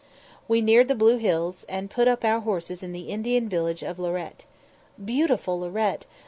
We neared the blue hills, and put up our horses in the Indian village of Lorette. Beautiful Lorette!